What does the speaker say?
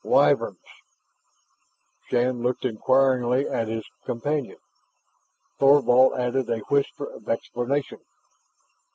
"Wyverns!" Shann looked inquiringly at his companion. Thorvald added a whisper of explanation.